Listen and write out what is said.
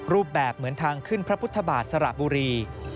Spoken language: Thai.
รูปแบบเหมือนทางขึ้นพระพุทธบาทสระบุรี